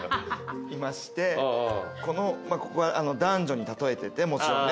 いましてここは男女に例えててもちろんね。